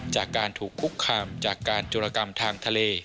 จากการถูกคุกคามจากการจุรกรรมทางทะเล